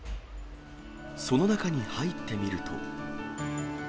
その中に入ってみると。